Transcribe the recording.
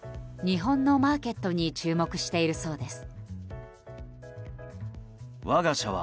日本のマーケットに注目しているそうです。